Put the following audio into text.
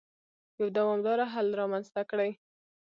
يو دوامدار حل رامنځته کړي.